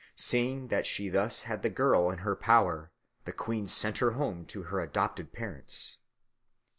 Seeing that she thus had the girl in her power, the queen sent her home to her adopted parents.